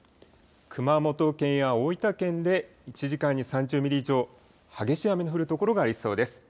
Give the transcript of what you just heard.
熊本県や大分県で１時間に３０ミリ以上、激しい雨の降る所がありそうです。